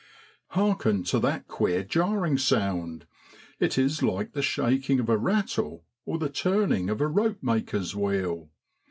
Harken to that queer jarring sound ! it is like the shaking of a rattle or the turning of a ropemaker's wheel.